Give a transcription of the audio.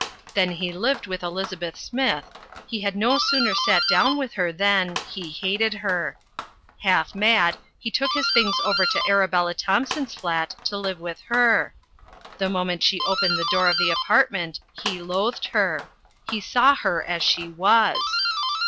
Then he lived with Elizabeth Smith He had no sooner sat down with her than He hated her. Half mad, he took his things over to Arabella Thompson's flat to live with her. The moment she opened the door of the apartment, he loathed her. He saw her as she was.